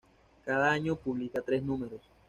Cada año, publica tres números.